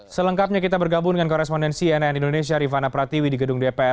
selengkapnya kita bergabung dengan korespondensi nn indonesia rifana pratiwi di gedung dpr